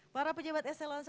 para pejabat sl satu